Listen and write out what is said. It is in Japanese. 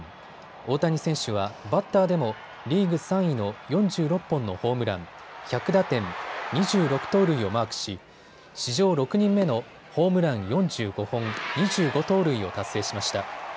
大谷選手はバッターでもリーグ３位の４６本のホームラン、１００打点、２６盗塁をマークし史上６人目のホームラン４５本、２５盗塁を達成しました。